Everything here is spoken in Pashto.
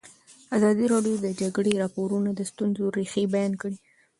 ازادي راډیو د د جګړې راپورونه د ستونزو رېښه بیان کړې.